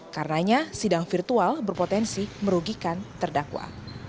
karenanya sidang virtual berpotensi merugikan terdakwa